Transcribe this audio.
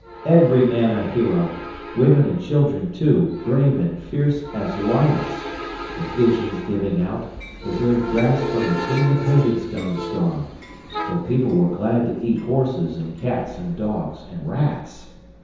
Every man a hero women and children, too, brave and fierce as lions, provisions giving out, the very grass from between the paving stones gone till people were glad to eat horses and cats and dogs and rats.